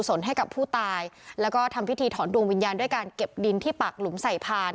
นให้กับผู้ตายแล้วก็ทำพิธีถอนดวงวิญญาณด้วยการเก็บดินที่ปากหลุมใส่พาน